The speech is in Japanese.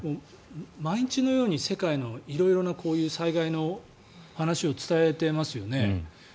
毎日のように世界の色々な災害の話を伝えてますよね。